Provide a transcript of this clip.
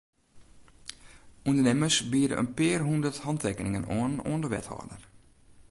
Undernimmers biede in pear hûndert hantekeningen oan oan de wethâlder.